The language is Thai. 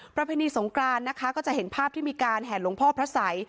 ประเพณีสงกรานนะคะก็จะเห็นภาพที่มีการแห่หลวงพ่อพระสัย